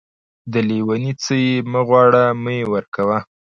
د لېوني څه يې مه غواړه ،مې ورکوه.